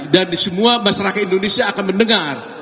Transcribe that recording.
dan semua masyarakat indonesia akan mendengar